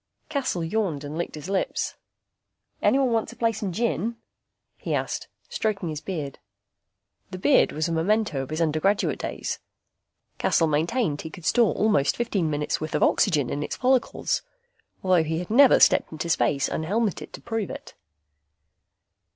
Cassel yawned and licked his lips. "Anyone want to play some gin?" he asked, stroking his beard. The beard was a memento of his undergraduate days. Cassel maintained he could store almost fifteen minutes worth of oxygen in its follicles. He had never stepped into space unhelmeted to prove it.